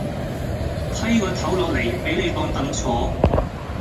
批個頭落嚟俾你當櫈坐